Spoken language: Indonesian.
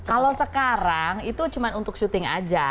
kalau sekarang itu cuma untuk syuting aja